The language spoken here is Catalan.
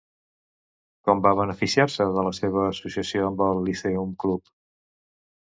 Com va beneficiar-se de la seva associació amb el Lyceum Club?